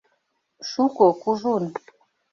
Шуко, кужун.